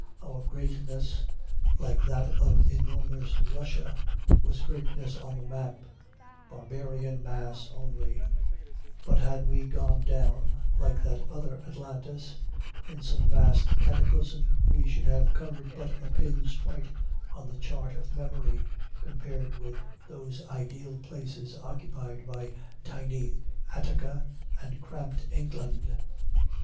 Our greatness, like that of enormous Russia, was greatness on the map, barbarian mass only; but had we gone down, like that other Atlantis, in some vast cataclysm, we should have covered but a pin's point on the chart of memory, compared with those ideal spaces occupied by tiny Attica and cramped England.